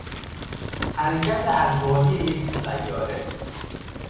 حرکت ادواری یک سیاره